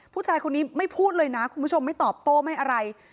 ผู้ชายคนนี้ไม่พูดเลยนะคุณผู้ชมไม่ตอบโต้ไม่อะไร